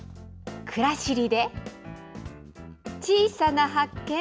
くらしりで小さな発見